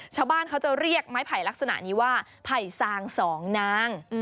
ชาวบ้านเขาจะเรียกไม้ไผ่ลักษณะนี้ว่าไผ่ซางสองนาง